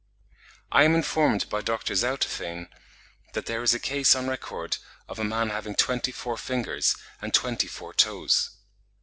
I am informed by Dr. Zouteveen that there is a case on record of a man having twenty four fingers and twenty four toes!